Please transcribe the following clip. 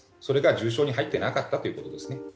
それが重症に入ってなかったということですね。